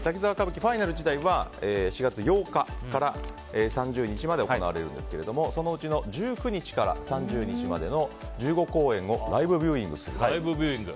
ファイナル自体は４月８日から３０日まで行われるんですがそのうちの１９日から３０日までの１５公演をライブビューイングすると。